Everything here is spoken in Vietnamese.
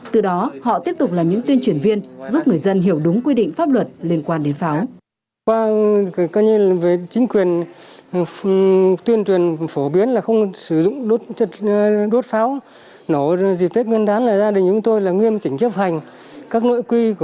từ đó họ tiếp tục là những tuyên truyền viên giúp người dân hiểu đúng quy định pháp luật liên quan đến pháo